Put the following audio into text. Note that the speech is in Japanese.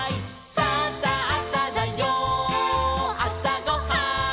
「さあさあさだよあさごはん」